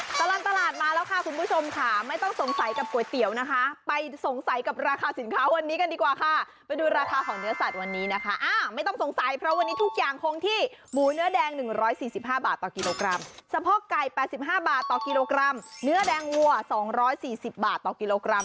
ตลาดตลาดตลาดตลาดตลาดตลาดตลาดตลาดตลาดตลาดตลาดตลาดตลาดตลาดตลาดตลาดตลาดตลาดตลาดตลาดตลาดตลาดตลาดตลาดตลาดตลาดตลาดตลาดตลาดตลาดตลาดตลาดตลาดตลาดตลาดตลาดตลาดตลาดตลาดตลาดตลาดตลาดตลาดตลาดตลา